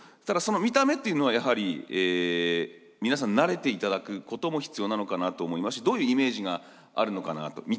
ただその見た目というのはやはり皆さん慣れていただくことも必要なのかなと思いますしどういうイメージがあるのかなと。